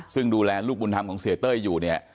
ซึ่งดูแลลูกบุญธรรมของเสียเต้ยอยู่เนี่ย